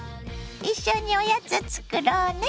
一緒におやつ作ろうね。